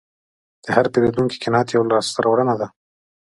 د هر پیرودونکي قناعت یوه لاسته راوړنه ده.